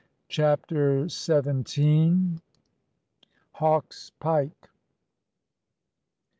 CHAPTER SEVENTEEN. HAWK'S PIKE.